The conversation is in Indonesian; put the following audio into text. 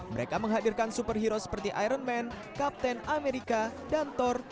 mereka menghadirkan superhero seperti iron man kapten amerika dan thor